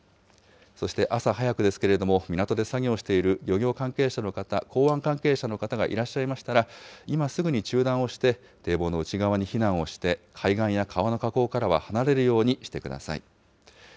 そして朝早くですけれども、港で作業している漁業関係者の方、港湾関係者の方がいらっしゃいましたら、今すぐに中断をして、堤防の内側に避難をして、海岸や川の河口からは離れるようにしてください。